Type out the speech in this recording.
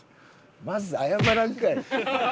まず謝らんかい。